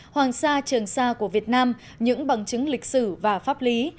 hoàng sa trường sa của việt nam những bằng chứng lịch sử và pháp lý